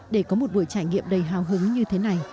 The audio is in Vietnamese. để có một buổi trải nghiệm đầy hào hứng như thế này